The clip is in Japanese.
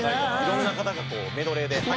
「いろんな方がこうメドレーで」